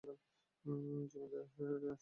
জমিদারের সংগীতের প্রতি অনুরাগ আছে।